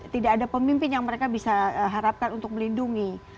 tidak ada pemimpin yang mereka bisa harapkan untuk melindungi